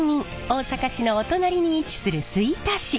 大阪市のお隣に位置する吹田市。